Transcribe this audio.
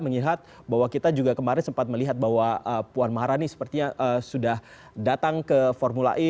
mengingat bahwa kita juga kemarin sempat melihat bahwa puan maharani sepertinya sudah datang ke formula e